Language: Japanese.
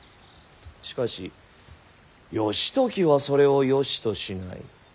しかし義時はそれをよしとしない。